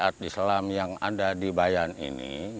masyarakat islam yang ada di bayan ini